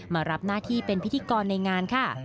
มารับหน้าที่เป็นพิธีกรในงานค่ะ